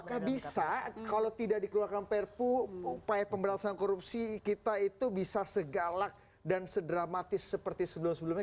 apakah bisa kalau tidak dikeluarkan perpu upaya pemberantasan korupsi kita itu bisa segalak dan sedramatis seperti sebelum sebelumnya